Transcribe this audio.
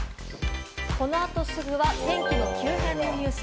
この後すぐは天気の急変のニュース。